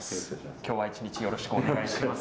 今日は一日よろしくお願いします。